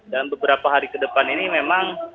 dalam beberapa hari ke depan ini memang